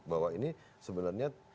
bahwa ini sebenarnya